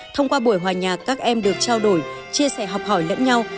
thông qua buổi hòa nhạc các em được trao đổi chia sẻ học hỏi lẫn nhau